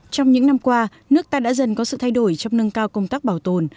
trong những năm qua nước ta đã dần có sự thay đổi trong nâng cao công tác bảo tồn